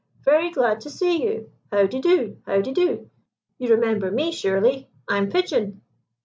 Very glad to see you. How de do? How de do? You remember me, surely. I'm Pigeon."